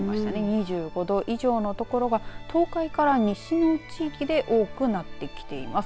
２５度以上の所が東海から西の地域で多くなってきています。